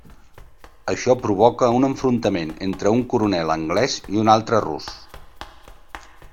Això provoca un enfrontament entre un coronel anglès i un altre rus.